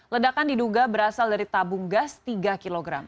ledakan diduga berasal dari tabung gas tiga kg